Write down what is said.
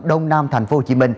đông nam tp hcm